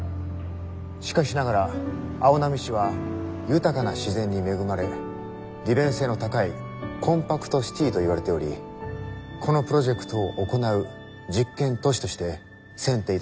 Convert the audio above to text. しかしながら青波市は豊かな自然に恵まれ利便性の高いコンパクトシティーといわれておりこのプロジェクトを行う実験都市として選定いたしました。